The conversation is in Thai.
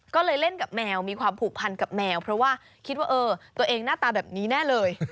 ก็เลยเล่นกับแมวมีความผูกพันกับแมวเพราะว่าคิดว่าเออตัวเองหน้าตาแบบนี้แน่เลย